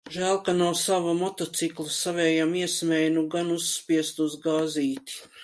Žēl, ka nav sava motocikla, savējam iesmēju, nu gan uzspiestu uz gāzīti.